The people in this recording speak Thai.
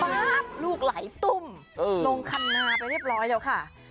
ลูกไหลตุ้มลงคันนาไปเรียบร้อยแล้วค่ะ